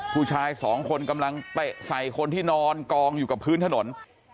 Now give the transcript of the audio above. ผู้ชายสองคนกำลังเตะใส่คนที่นอนกองอยู่กับพื้นถนน